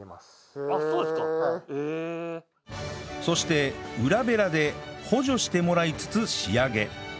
そして裏べらで補助してもらいつつ仕上げ